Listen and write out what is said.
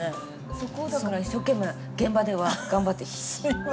そこをだから一生懸命現場では頑張って。